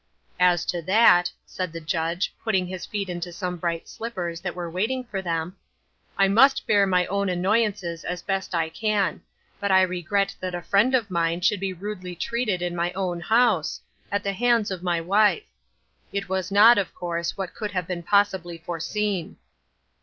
" As to that," said the Judge, putting his feet into some bright slippers that were waiting for them, "I must bear my own annoyances as best I can ; but I regret that a friend of mine should be rudely treated in my own house, at the hands of my wife. It was not, of course, what could have been possibly foreseen."